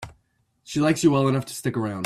She likes you well enough to stick around.